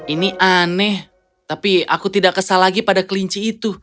ini aneh tapi aku tidak kesal lagi pada kelinci itu